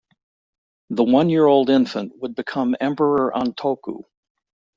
The one-year-old infant would become Emperor Antoku.